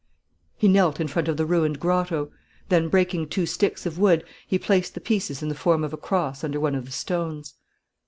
He knelt in front of the ruined grotto. Then, breaking two sticks of wood, he placed the pieces in the form of a cross under one of the stones.